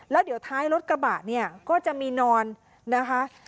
แล้วเดี๋ยวท้ายรถกระบะเนี่ยก็จะมีนอนนะคะ